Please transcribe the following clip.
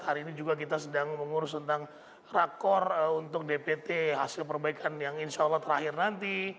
hari ini juga kita sedang mengurus tentang rakor untuk dpt hasil perbaikan yang insya allah terakhir nanti